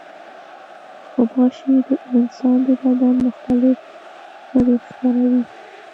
غوماشې د انسان د بدن مختلف غړي ښکاروي.